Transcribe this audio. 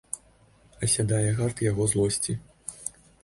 Асядае гарт яго злосці.